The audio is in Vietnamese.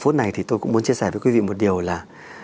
phút này thì tôi cũng muốn chia sẻ với quý vị một điều là